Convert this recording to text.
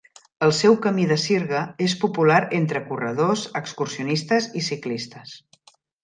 El seu camí de sirga és popular entre corredors, excursionistes i ciclistes.